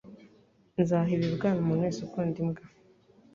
Nzaha ibibwana umuntu wese ukunda imbwa.